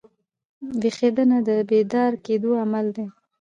ویښېدنه د بیدار کېدو عمل دئ.